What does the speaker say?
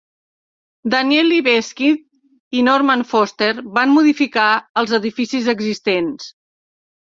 Daniel Libeskind i Norman Foster van modificar els edificis existents.